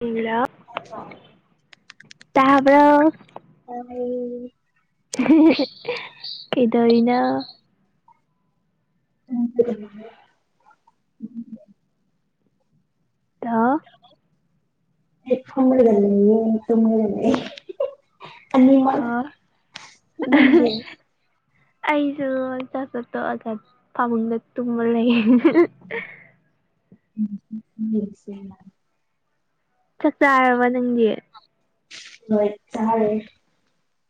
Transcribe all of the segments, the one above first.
Hello ꯇꯥꯕ꯭ꯔꯣ ꯇꯥꯌꯦ ꯀꯩꯗꯧꯔꯤꯅꯣ ꯎꯝ [inaudible] ꯇꯣ ꯑꯩ ꯐꯝꯂꯒ ꯂꯩꯌꯦ ꯇꯨꯝꯂꯒ ꯂꯩ ꯑꯅꯤꯃꯛ ꯑꯣ ꯅꯪꯗꯤ ꯑꯩꯁꯨ ꯆꯥꯥꯛ ꯆꯥ ꯇꯣꯛꯑꯒ ꯐꯥꯃꯨꯡꯗ ꯇꯨꯝꯃ ꯂꯩ [unintelligible] ꯆꯥꯛ ꯆꯥꯔꯕ ꯅꯪꯗꯤ ꯍꯣꯏ ꯆꯥꯔꯦ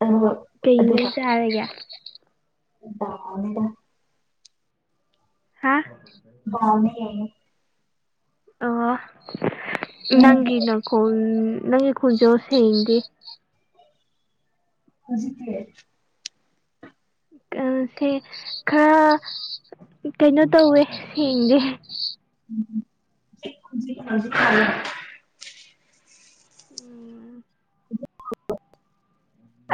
ꯑꯗꯨꯒ ꯀꯩꯟꯖꯥꯡ ꯑꯗꯨꯒ ꯆꯥꯔꯒꯦ ꯗꯥꯜꯅꯤꯗ ꯍꯥꯥ ꯗꯥꯜꯅꯦ ꯑꯣ ꯅꯪꯗꯤ ꯅꯪꯒꯤ ꯅꯈꯣꯟ ꯅꯪꯒꯤ ꯈꯣꯟꯖꯦꯜ ꯁꯦꯡꯗꯦ ꯍꯧꯖꯤꯛꯇꯤ ꯑ ꯁꯦ ꯈꯔ ꯀꯩꯅꯣ ꯇꯧꯋꯦ ꯁꯦꯡꯗꯦ [inaudible] ꯎꯝ [unintelligible]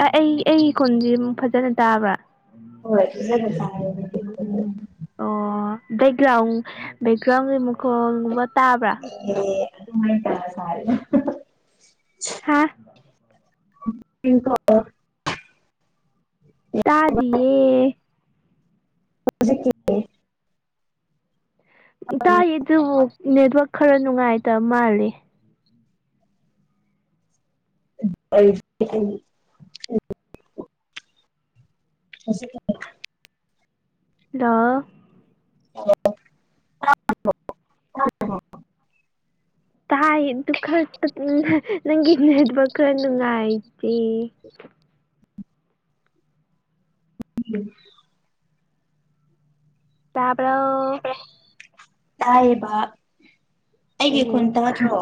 ꯑ ꯑꯩ ꯑꯩꯒꯤ ꯈꯣꯟꯁꯦ ꯑꯃꯨꯛ ꯐꯖꯅ ꯇꯥꯕ꯭ꯔꯥ ꯍꯣꯏ ꯐꯖꯅ ꯇꯥꯏꯑꯦ [inaudible] ꯑꯣ ꯕꯦꯛꯒ꯭ꯔꯥꯎꯟ ꯕꯦꯛꯒ꯭ꯔꯥꯎꯟꯒꯤ ꯃꯈꯣꯟꯒꯨꯝꯕ ꯇꯥꯕ꯭ꯔꯥ ꯑꯦ ꯑꯗꯨꯃꯥꯏ ꯇꯥꯔ ꯁꯥꯔꯦ ꯍꯥꯥ ꯏꯀꯣ [inaudible] ꯇꯥꯗꯤꯌꯦ ꯍꯧꯖꯤꯛꯀꯤ ꯇꯥꯏ ꯑꯗꯨꯕꯨ ꯅꯦꯠꯋꯛ ꯈꯔ ꯅꯨꯡꯉꯥꯏꯇꯕ ꯃꯥꯜꯂꯦ [inaudible] [inaudible] ꯂꯣ [inaudible] ꯇꯥꯏ ꯑꯗꯨ ꯈꯔ ꯇꯠꯂꯦ ꯅꯪꯒꯤ ꯅꯦꯠꯋꯥꯛ ꯈꯔ ꯅꯨꯡꯉꯥꯏꯇꯦ ꯎꯝ ꯇꯥꯕ꯭ꯔꯣ ꯇꯌꯦꯕ ꯑꯩꯒꯤ ꯈꯣꯟ ꯑꯣ ꯇꯥꯗ꯭ꯔꯣ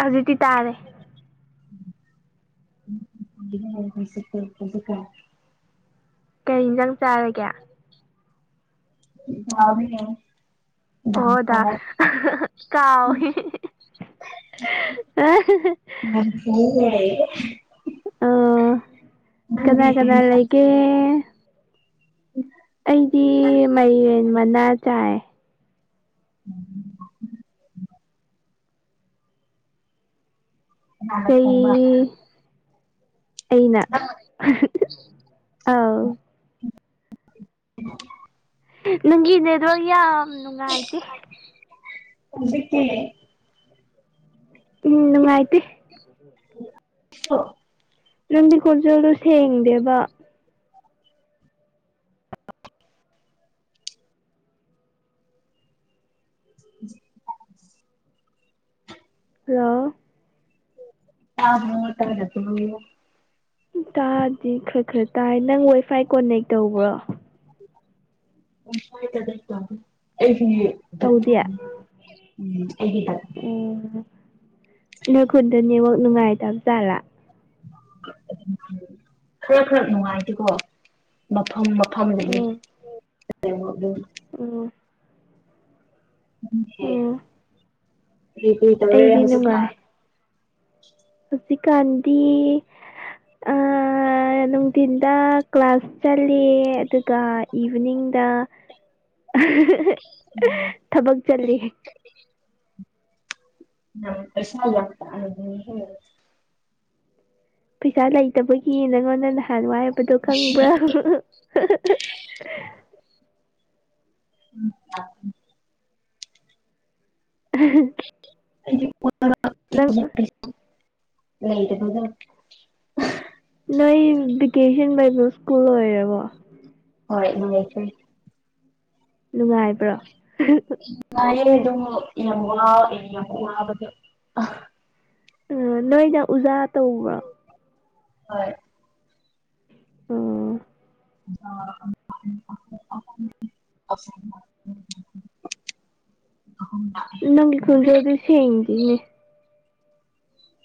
ꯍꯧꯖꯤꯛꯇꯤ ꯇꯥꯔꯦ [unintelligible] ꯀꯩ ꯏꯟꯖꯥꯡ ꯆꯥꯔꯒꯦ [unintelligible] ꯑꯣ ꯗꯥ ꯀꯥꯎꯋꯦ [unintelligible] ꯑ [unintelligible] ꯅꯪꯗꯤ ꯀꯅꯥ ꯀꯔꯤ ꯀꯅꯥ ꯏꯟꯁꯥꯡ ꯂꯩꯒꯦ [inaudible] ꯑꯩꯗꯤ ꯃꯥꯏꯔꯦꯟ ꯃꯅꯥ ꯆꯥꯏ [inaudible] ꯀꯅꯥꯅ ꯊꯣꯡꯕ ꯆꯩ ꯑꯩꯅ ꯅꯪꯅ ꯑꯧ [unintelligible] [inaudible] ꯅꯪꯒꯤ ꯅꯦꯠꯋꯥꯛ ꯌꯥꯝ ꯅꯨꯡꯉꯥꯏꯇꯦ ꯍꯧꯖꯤꯛꯇꯤ ꯎꯝ ꯅꯨꯡꯉꯥꯏꯇꯦ [unintelligible] ꯅꯪꯒꯤ ꯈꯣꯟꯖꯦꯜꯗꯣ ꯁꯦꯡꯗꯦꯕ [unintelligible] ꯍꯜꯂꯣ ꯇꯥꯕ꯭ꯔꯣ ꯇꯥꯗꯕ꯭ꯔꯣ ꯇꯥꯗꯤ ꯈꯔ ꯈꯔ ꯇꯥꯏ ꯅꯪ ꯋꯥꯏꯐꯥꯏ ꯀꯣꯟꯅꯦꯛ ꯇꯧꯕ꯭ꯔꯣ ꯋꯥꯏꯐꯥꯏ ꯀꯟꯅꯦꯛ ꯇꯧꯗꯦ ꯑꯩꯒꯤ ꯇꯧꯗꯦ ꯗꯗꯥꯅꯦ ꯎꯝ ꯑꯩꯒꯤ ꯗꯗꯥ ꯎꯝ ꯅꯣꯏ ꯈꯨꯟꯗ ꯅꯦꯠꯋꯥꯛ ꯅꯨꯡꯉꯥꯏꯇꯕ ꯖꯥꯠꯂꯥ ꯈꯔ ꯈꯔ ꯅꯨꯡꯉꯥꯏꯇꯦꯀꯣ ꯃꯐꯝ ꯃꯐꯝꯗꯒꯤ ꯎꯝ [unintelligible] ꯎꯝ [unintelligible] ꯎꯝ ꯀꯔꯤ ꯀꯔꯤ ꯇꯧꯔꯦ ꯑꯩꯗꯤ ꯅꯨꯡꯉꯥꯏ ꯍꯧꯖꯤꯛꯀꯥꯟ ꯍꯧꯖꯤꯛꯀꯥꯟꯗꯤ ꯑꯥ ꯅꯨꯡꯊꯤꯟꯗꯥ ꯀ꯭ꯂꯥꯁ ꯆꯜꯂꯤ ꯑꯗꯨꯒ ꯏꯚꯤꯅꯤꯡꯗ ꯎꯝ ꯊꯕꯛ ꯆꯠꯂꯤ ꯌꯥꯝ ꯄꯩꯁꯥ ꯌꯥꯝ ꯇꯥꯜꯂꯦꯍꯦ ꯄꯩꯁꯥ ꯂꯩꯇꯕꯒꯤ ꯅꯪꯉꯣꯟꯗ ꯅꯍꯥꯟ ꯋꯥꯏꯕꯗꯣ ꯈꯪꯕ꯭ꯔꯥ [unintelligible] [unintelligible] ꯅꯪ [unintelligible] ꯂꯩꯒꯅꯣꯗ ꯅꯣꯏ ꯚꯦꯀꯦꯁꯟ ꯕꯥꯏꯕꯣ ꯁ꯭ꯀꯨꯜ ꯂꯣꯏꯔꯕꯣ ꯍꯣꯏ ꯂꯣꯏꯈ꯭ꯔꯦ ꯅꯨꯡꯉꯥꯏꯕ꯭ꯔꯣ ꯅꯨꯡꯉꯥꯏꯌꯦ ꯑꯗꯨꯝ ꯌꯥꯝ ꯋꯥ ꯌꯥꯝ ꯋꯥꯕꯗ ꯑ ꯅꯣꯏꯅ ꯎꯖꯥ ꯇꯧꯕ꯭ꯔꯣ ꯍꯣꯏ ꯎꯝ ꯑ [unintelligible] ꯑꯁ [unintelligible] ꯅꯪꯒꯤ ꯈꯨꯟꯖꯦꯜꯗꯣ ꯁꯦꯡꯗꯤꯅꯦ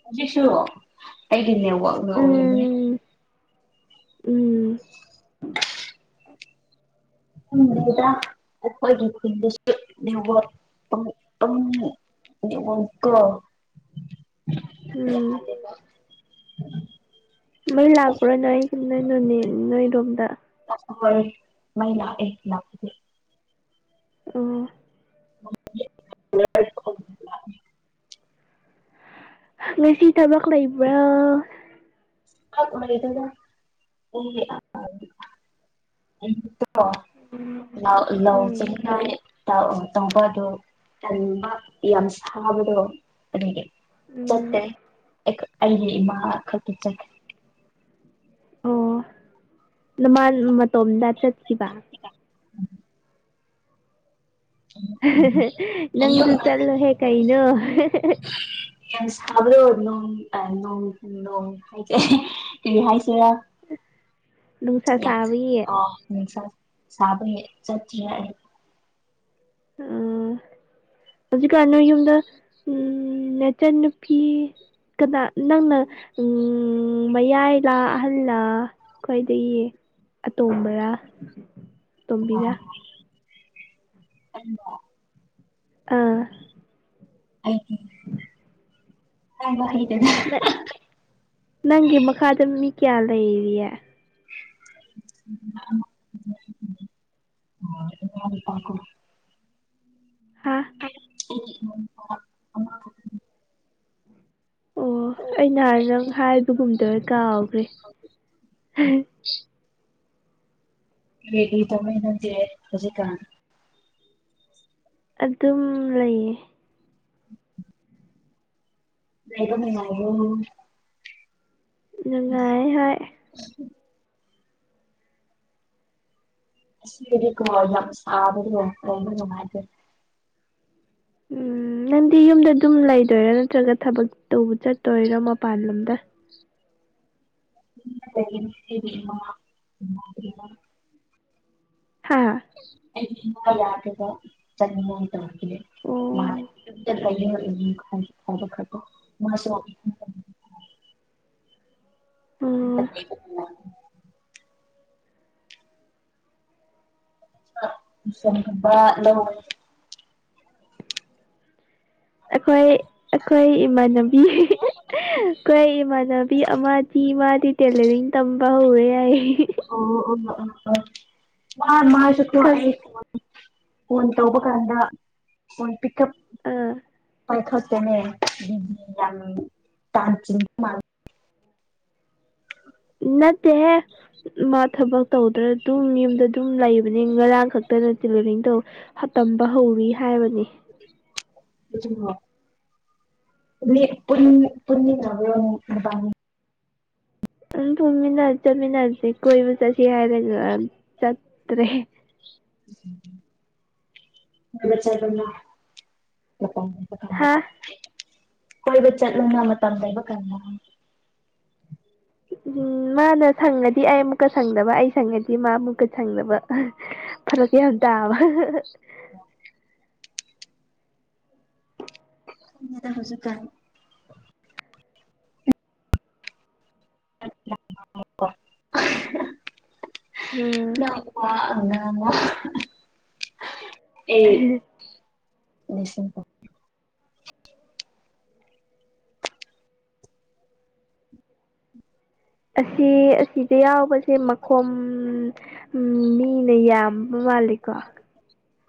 ꯍꯧꯖꯤꯛꯁꯨ ꯑꯩꯒꯤ ꯅꯦꯠꯋꯥꯛꯅ ꯑꯣꯏꯔꯝꯅꯤ ꯎꯨꯝ ꯈꯪꯗꯦꯗ ꯑꯩꯈꯣꯏꯒꯤ ꯈꯨꯟꯗꯁꯨ ꯅꯦꯠꯋꯥꯛ [unintelligible] [unintelligible] ꯇꯣ [inaudible] ꯎꯝ [inaudible] ꯃꯩ ꯂꯥꯛꯄ꯭ꯔꯣ ꯅꯣꯏ ꯅꯣꯏ ꯅꯣꯅꯦ ꯅꯣꯏꯔꯣꯝꯗ [unintelligible] ꯃꯩ ꯂꯥꯛꯑꯦ ꯂꯥꯛꯄꯨꯗꯤ ꯎꯨꯝ [unintelligible] ꯉꯁꯤ ꯊꯕꯛ ꯂꯩꯕ꯭ꯔꯣ ꯊꯛ ꯂꯩꯇꯦꯗ [unintelligible] [unintelligible] ꯇꯥꯎ ꯎꯝ ꯑꯥ ꯇꯧꯕꯗꯣ ꯇꯟꯕ ꯌꯥꯝ ꯁꯥꯕꯗꯣ ꯑꯗꯨꯒꯤ ꯆꯠꯇꯦ ꯎꯝ ꯑꯩꯈ ꯑꯩꯒꯤ ꯏꯃꯥ ꯈꯛꯇ ꯆꯠꯈ꯭ꯔꯦ ꯑꯣ ꯅꯃꯥ ꯃꯇꯣꯝꯗ ꯆꯠꯈꯤꯕ ꯍꯥ ꯍꯥ ꯑꯌꯨꯛ ꯅꯪꯁꯨ ꯉꯟꯅ ꯆꯠꯂꯨꯍꯦ ꯀꯩꯅꯣ ꯌꯥꯝ ꯁꯥꯕ꯭ꯔꯣ ꯅꯣꯡ ꯇꯥ [unintelligible] ꯅꯣꯡ ꯍꯥꯏ [unintelligible] ꯀꯔꯤ ꯍꯥꯏꯁꯤꯔꯥ ꯅꯨꯡꯁꯥ ꯌꯥꯝ ꯁꯥꯕꯒꯤ ꯑꯥ ꯅꯨꯡꯁꯥ ꯁꯥꯕꯒꯤ ꯆꯠꯇꯔꯦ ꯑꯩ ꯎꯝ ꯍꯧꯖꯤꯛꯀꯥꯟ ꯅꯣꯏꯌꯨꯝꯗ ꯎꯝ ꯅꯦꯆꯟ ꯅꯨꯞ ꯀꯅꯥ ꯅꯪꯅ ꯎꯨ ꯎꯨ ꯃꯌꯥꯏꯂꯥ ꯑꯍꯜꯂ ꯈ꯭ꯋꯥꯏꯗꯒꯤ ꯑꯇꯣꯝꯕꯔꯥ ꯇꯣꯝꯕꯤꯔꯥ ꯑꯣ [unintelligible] ꯑꯥ ꯑꯩꯒꯤ ꯍꯥꯏꯕ ꯍꯩꯗꯦꯗ ꯅꯥ ꯅꯪꯒꯤ ꯃꯈꯥꯗ ꯃꯤ ꯀꯌꯥ ꯂꯩꯔꯤꯌꯦ [unintelligible] ꯍꯥ [unintelligible] ꯑꯃꯈꯛ ꯑꯣ ꯑꯩ ꯅꯍꯥꯟ ꯅꯪ ꯍꯥꯏꯕꯒꯨꯝ ꯇꯧꯏ ꯀꯥꯎꯒ꯭ꯔꯦ ꯍꯥ ꯍꯥ ꯀꯔꯤ ꯀꯔꯤ ꯇꯧꯏ ꯅꯪꯗꯤ ꯍꯧꯖꯤꯛꯀꯥꯟ ꯑꯗꯨꯝ ꯂꯩꯌꯦ [inaudible] ꯂꯩꯕ ꯅꯨꯡꯉꯥꯏꯕ꯭ꯔꯣ ꯅꯨꯡꯉꯥꯏ ꯍꯣꯏ [unintelligible] ꯁꯕꯗꯣ ꯂꯩꯕ ꯅꯨꯡꯉꯥꯏꯇꯦ ꯎꯝ ꯅꯪꯗꯤ ꯌꯨꯝꯗ ꯑꯗꯨꯝ ꯂꯩꯗꯣꯏꯔꯥ ꯅꯠꯇ꯭ꯔꯒ ꯊꯕꯛ ꯇꯧꯕ ꯆꯠꯇꯣꯏꯔ ꯃꯄꯥꯟ ꯂꯝꯗ [unintelligible] ꯍꯥꯥ ꯑꯩꯒꯤ ꯏꯃꯥ ꯌꯥꯗꯕ ꯆꯠꯅꯤꯡꯉꯥꯏ ꯇꯧꯕꯤꯅꯦ ꯑꯣ ꯋꯥꯏ ꯑꯗꯨꯝ ꯆꯠꯄꯩꯅꯦ ꯎꯝ ꯈꯥꯏ ꯊꯥꯗꫭꯛꯈ꯭ꯔꯦꯀꫭ ꯃꯥꯁꯨ [unintelligible] ꯎꯝ ꯌꯨꯝꯗ ꯂꯩꯕ ꯎ-ꯋꯥꯅꯦ ꯆꯥꯛ [unintelligible] ꯂꯧꯕꯅꯦ ꯑꯩꯈꯣꯏ ꯑꯩꯈꯣꯏ ꯏꯃꯥꯟꯅꯕꯤ ꯑꯩꯈꯣꯏ ꯏꯃꯥꯟꯅꯕꯤ ꯑꯃꯗꯤ ꯃꯥꯗꯤ ꯇꯦꯂꯔꯤꯡ ꯇꯝꯕ ꯍꯧꯔꯦ ꯌꯥꯏ ꯑꯣ ꯑꯣ ꯑꯣ ꯑꯣ ꯃꯥ ꯃꯥꯁꯨ ꯊ ꯈꯪ ꯑꯩ ꯐꯣꯟ ꯇꯧꯕ ꯀꯥꯟꯗ ꯐꯣꯟ ꯄꯤꯛ ꯑꯞ ꯑꯥ ꯄꯥꯏꯈꯠꯇꯦꯅꯦ ꯕꯤꯖꯤ ꯌꯥꯝ ꯇꯥꯟ ꯆꯤꯡ ꯕ ꯃꯥꯜ ꯅꯠꯇꯦꯍꯦ ꯃꯥ ꯊꯕꯛ ꯇꯧꯗ꯭ꯔꯥ ꯑꯗꯨꯝ ꯌꯨꯝꯗ ꯑꯗꯨꯝ ꯂꯩꯕꯅꯦ ꯉꯔꯥꯡ ꯈꯛꯇꯅ ꯇꯦꯂꯔꯤꯡ ꯇꯧ ꯍꯥ ꯇꯝꯕ ꯍꯧꯔꯤ ꯍꯥꯏꯕꯅꯤ ꯂꯨꯏꯁꯤꯟꯈꯨꯋꯦ ꯔꯤꯠ ꯄꯨꯜꯂꯦ ꯄꯨꯃꯤꯟꯅꯕ꯭ꯔꫭ ꯑꯃꯨꯛ ꯅꯕꯥꯅꯤ ꯑꯗꯨꯝ ꯊꫭꯡꯃꯤꯟꯅꯁꯤ ꯆꯠꯃꯤꯟꯅꯁꯤ ꯀꯣꯏꯕ ꯆꯠꯁꯤ ꯍꯥꯏꯔꯒ ꯆꯠꯇ꯭ꯔꯦ [unintelligible] ꯔꯦꯠ ꯁ꯭ꯔꯠ ꯀꯔꯤꯅꯥ [unintelligible] ꯍꯥ [unintelligible] ꯀꯣꯏꯕ ꯆꯠꯂꯨꯅ ꯃꯇꯝ ꯂꯩꯕ ꯀꯟ ꯑꯃ ꯎꯝ ꯃꯥꯅ ꯁꯪꯉꯗꯤ ꯑꯩ ꯑꯃꯨꯛꯀ ꯁꯪꯗꯕ ꯑꯩ ꯁꯪꯉꯗꯤ ꯃꯥ ꯑꯃꯨꯛ ꯀ ꯁꯪꯗꯕ ꯐꯔꯛꯇꯤ ꯌꯥꯝ ꯇꯥꯕ [inaudible] ꯈꯪꯗꯦꯗ ꯍꯧꯖꯤꯛ ꯀꯟ [unintelligible] ꯎꯝ꯫ ꯅꯪ ꯋꯥ ꯑꯃ ꯉꯥꯡꯕ ꯑꯩ ꯅꯤꯡꯁꯤꯡ ꯄꯥꯎ ꯑꯁꯤ ꯑꯁꯤꯗ ꯌꯥꯎꯕꯁꯦ ꯃꯈꯣꯝ ꯎꯝ ꯃꯤꯅ ꯌꯥꯝꯕ ꯃꯥꯜꯂꯦꯀꯣ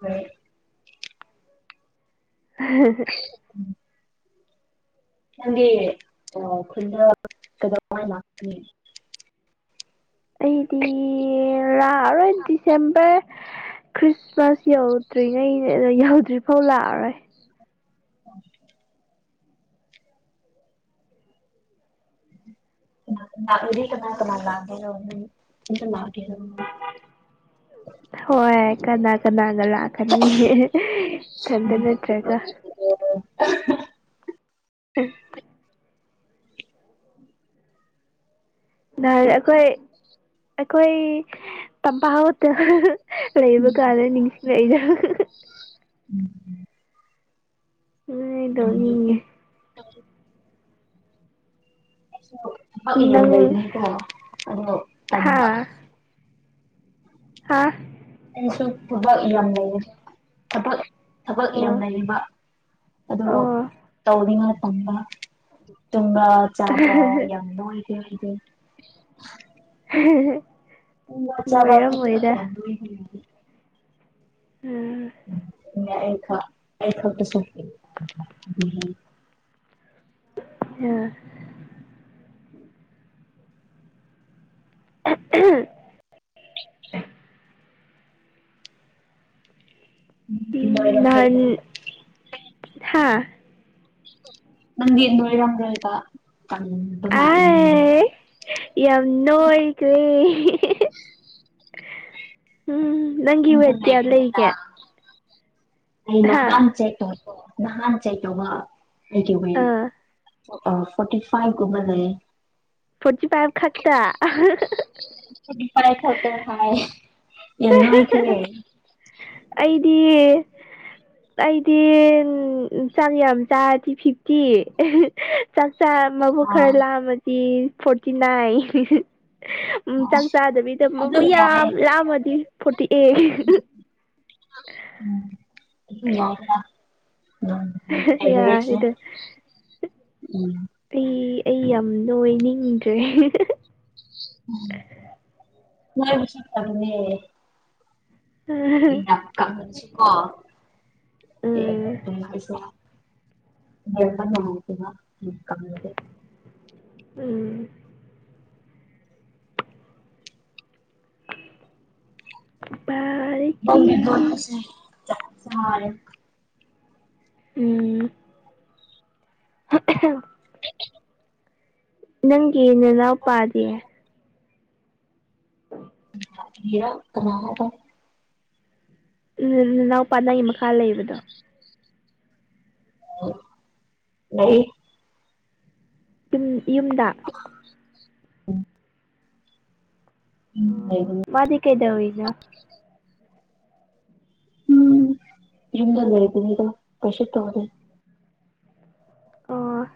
ꯃꯥꯅꯩ [inaudible] ꯎꯝ꯫ ꯅꯪꯗꯤ ꯑꯥ ꯈꯨꯟꯗ ꯀꯩꯗꯧꯉꯩ ꯂꯥꯛꯀꯅꯤ ꯑꯩꯗꯤ ꯂꯥꯛꯑꯔꯣꯏ ꯗꯤꯁꯦꯝꯕꯔ ꯈ꯭ꯔꯤꯁꯃꯥꯁ ꯌꯧꯗ꯭ꯔꯤꯉꯩꯅꯦ ꯑꯗꫭ ꯌꯧꯗ꯭ꯔꯤꯐꯥꯎ ꯂꯥꯛꯑꯔꯣꯏ ꯎꯝ꯫ ꯀꯅꯥ ꯀꯅꯥ ꯇꯧꯗꯤ ꯀꯅꯥ ꯀꯅꯥ ꯎꯝ ꯂꯥꯟꯗꯨꯏꯔꫭ [unintelligible] [inaudible] ꯍꯣꯏ ꯀꯅꯥ ꯀꯅꯥꯒ ꯂꯥꯛꯀꯅꯤ ꯏ-ꯊꯟꯇ ꯅꯠꯇ꯭ꯔꯥꯒ ꯑꯩꯁꯨ [inaudible] ꯑꯦ ꯅꯍꯥꯟ ꯑꯩꯈꯣꯏ ꯑꯩꯈꯣꯏ ꯇꯝꯄꯥꯛ ꯍꯣꯇꯦꯜ ꯂꯩꯕ ꯀꯥꯟꯗ ꯅꯤꯡꯁꯤꯡꯔꯛꯏꯗꯥ ꯎꯝ꯫ ꯑꯩ ꯗꫭꯛꯅꯤꯡꯉꯦ ꯅꯪ ꯍꯥꯥ [inaudible] ꯍꯥꯥ꯫ ꯑꯩꯁꯨ ꯊꯕꯛ ꯌꯥꯝ ꯂꯩꯑꯦ ꯊꯕꯛ ꯊꯕꯛ ꯑꯣ ꯌꯥꯝ ꯂꯩꯕ ꯑꯗꫭ ꯑꯣ ꯇꯧꯅꯤꯡꯉꯩ ꯊꯝꯕ꯫ ꯇꯨꯡꯒ ꯆꯥꯕ ꯌꯥꯝꯅꯣꯏꯔꯦ ꯑꯩꯗꯤ꯫ [unintelligible] ꯇꯨꯝ ꯆꯥꯕ ꯅꯣꯏꯔꯝꯃꯣꯏꯗ [inaudible] ꯎꯝ [inaudible] [unintelligible] [unintelligible] ꯎꯝ ꯅꯍꯥꯟ ꯅꯣꯏꯔꯝꯈꯩꯅ ꯊꯥ꯫ ꯅꯪꯗꯤ ꯅꫭꯏꯔꯝꯔꫭꯏꯕ ꯀꯪꯕ ꯃꯥꯜꯂꯦ꯫ ꯑꯥꯏ ꯌꯥꯝ ꯅꯣꯏꯈ꯭ꯔꯦ [unintelligible] ꯎꯝ ꯅꯪꯒꯤ ꯏꯊꯟꯇ ꯋꯦꯠ ꯀꯌꯥ ꯂꯩꯕꯅꯤꯅ ꯂꯩꯒꯦ꯫ ꯑꯩ ꯍꯥ ꯅꯍꯥꯟ ꯆꯦꯛ ꯇꯧꯕ ꯅꯍꯥꯟ ꯆꯦꯛ ꯇꯧꯕ ꯑꯩꯒꯤ ꯋꯦꯠ ꯑꯥ ꯑ ꯐꯣꯔꯇꯤ ꯐꯥꯏꯚꯒꯨꯝꯕ ꯂꯩꯌꯦ꯫ ꯐꯣꯔꯇꯤ ꯐꯥꯏꯚ ꯈꯛꯇꯥꯥ [unintelligible] [inaudible] ꯑꯩꯗꯤ ꯑꯩꯗꯤ ꯆꯥꯛ ꯌꯥꯝ ꯆꯥꯔꯗꯤ ꯐꯤꯐꯇꯤ [unintelligible] ꯆꯥꯛꯆꯥꯥ ꯃꯕꯨꯛ ꯑꯥ ꯈꯔ ꯂꯥꯝꯃꯗꯤ ꯐꯣꯔꯇꯤ ꯅꯥꯏꯟ [unintelligible] ꯎꯝ ꯑꯥ ꯆꯥꯛ ꯆꯥꯗꯕꯤꯗ ꯃꯕꯨ ꯑꯗꯨꯝ ꯌꯥꯝ ꯌꯥꯏꯌꯦ ꯂꯥꯝꯃꯗꯤ ꯐꯣꯔꯇꯤ ꯑꯦ [unintelligible] [inaudible] ꯌꯥꯔꯦꯗ [inaudible] ꯑꯩ ꯑꯩ ꯌꯥꯝ ꯅꯣꯏꯅꯤꯡꯗ꯭ꯔꯦ [unintelligible] [inaudible] ꯎꯝ [inaudible] [inaudible] ꯎꯝ ꯕꯥꯔꯤ [inaudible] ꯎꯝ [unintelligible] ꯅꯪꯒꯤ ꯅꯅꯥꯎꯄꯥꯗꯤ꯫ [inaudible] [inaudible] ꯎ ꯅꯅꯥꯎꯄꯥ ꯅꯪꯒꯤ ꯃꯈꯥ ꯂꯩꯕꯗꯣ꯫ ꯑꫭ ꯂꯩ꯫ ꯌꯨꯝ ꯌꯨꯝꯗꯥ꯫ [unintelligible] [inaudible] ꯃꯗꯤ ꯀꯩꯗꯧꯔꯤꯅꫭ꯫ ꯎꯝ ꯌꯨꯝꯗ ꯂꯩꯕꯅꯦꯗ ꯀꯩꯁꯨ ꯇꯧꯗꯦ꯫ ꯑꯣ꯫